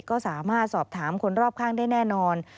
ก็สามารถสอบถามคนรอบข้างได้แน่นอน